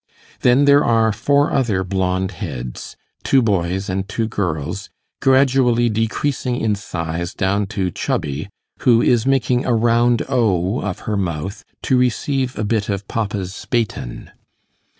Then there are four other blond heads two boys and two girls, gradually decreasing in size down to Chubby, who is making a round O of her mouth to receive a bit of papa's 'baton'.